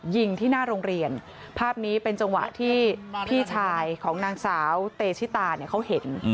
ยิงที่หน้าโรงเรียนภาพนี้เป็นจังหวะที่พี่ชายของนางสาวเตชิตาเนี่ยเขาเห็น